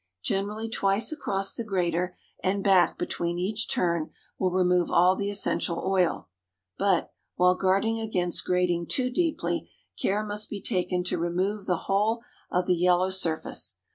Generally twice across the grater and back between each turn will remove all the essential oil, but, while guarding against grating too deeply, care must be taken to remove the whole of the yellow surface.